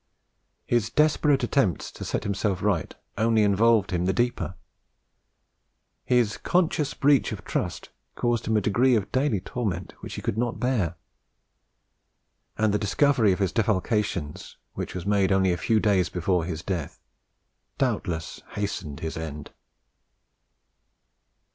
His desperate attempts to set himself right only involved him the deeper; his conscious breach of trust caused him a degree of daily torment which he could not bear; and the discovery of his defalcations, which was made only a few days before his death, doubtless hastened his end.